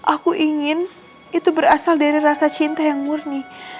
aku ingin itu berasal dari rasa cinta yang murni